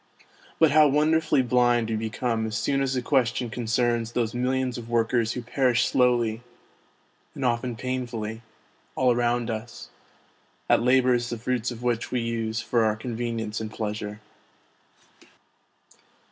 But how wonder fully blind we become as soon as the question concerns those millions of workers who perish slowly, and often painfully, all around us, at labours the fruits of which we use for our con venience and pleasure.